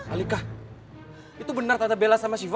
alika itu benar tante bella sama syifa